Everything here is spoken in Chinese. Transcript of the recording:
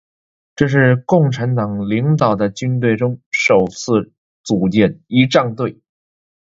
这是中国共产党领导的军队中首次组建仪仗队。